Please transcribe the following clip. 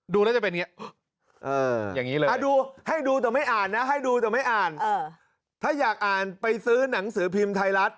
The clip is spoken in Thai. ดูแล้วจะเป็นอย่างนี้เลยให้ดูแต่ไม่อ่านนะถ้าอยากอ่านไปซื้อหนังสือบิ่มไทยรัฐ